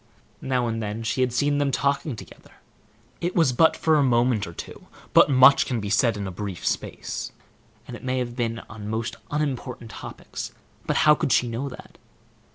Now and then she had seen them talking together; it was but for a moment or two, but much can be said in a brief space; it may have been on most unimportant topics, but how could she know that?